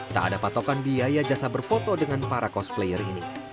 tak ada patokan biaya jasa berfoto dengan para cosplayer ini